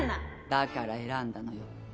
だから選んだのよ。